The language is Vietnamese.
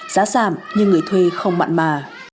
giá giảm nhưng người thuê không mặn mà